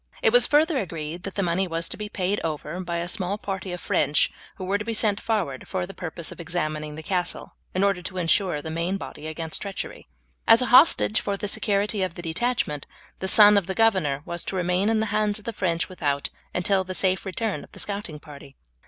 It was further agreed that the money was to be paid over by a small party of French who were to be sent forward for the purpose of examining the castle, in order to ensure the main body against treachery. As a hostage for the security of the detachment, the son of the governor was to remain in the hands of the French without, until the safe return of the scouting party.